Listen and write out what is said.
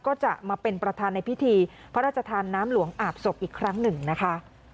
ก็จะมาเป็นประธานในพิธีพระราชทานน้ำหลวงอาบศพอีกครั้งหนึ่งนะคะ